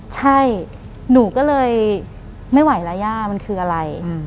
ใช่หนูก็เลยไม่ไหวแล้วย่ามันคืออะไร